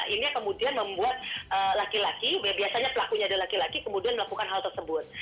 ini yang kemudian membuat laki laki biasanya pelakunya ada laki laki kemudian melakukan hal tersebut